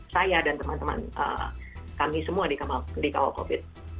saya dan teman teman kami semua di kawal covid